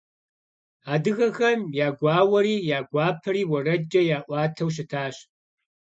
Адыгэхэм я гуауэри, я гуапэри уэрэдкӀэ яӀуатэу щытащ.